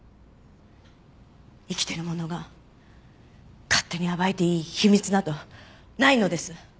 生きている者が勝手に暴いていい秘密などないのです。